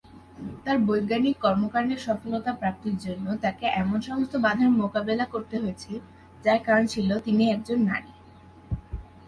তাঁর বৈজ্ঞানিক কর্মকাণ্ডের সফলতা প্রাপ্তির জন্য তাঁকে এমন সমস্ত বাঁধার মোকাবেলা করতে হয়েছে যার কারণ ছিল তিনি একজন নারী ছিলেন।